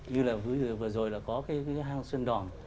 như là vừa rồi là có cái hang xuân đòn